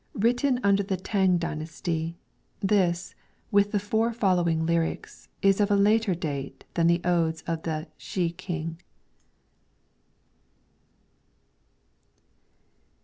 Written under the T'ang dynasty ; this, with the four following' lyrics, is of a later date than the odes of the 'Shih King.'